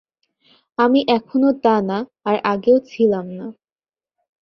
আমি এখনো তা না, আর আগেও ছিলাম না।